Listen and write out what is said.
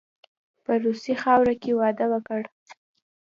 په روسي خاوره کې واده وکړ.